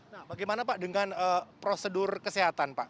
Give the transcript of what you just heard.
nah bagaimana pak dengan prosedur kesehatan pak